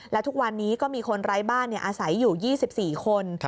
และทุกวันนี้ก็มีคนไร้บ้านอาศัยอยู่๒๔คน